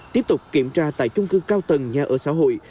tiếp tục kiểm tra tại chung cư cao tầng nhà ở xã hội